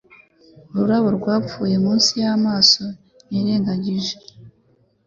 Ururabo rwapfuye munsi y'amaso nirengagije